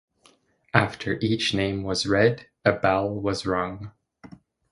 After each name was read, a bell was rung.